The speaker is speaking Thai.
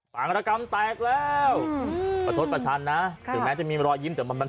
ฝางระกรรมแตกแล้ว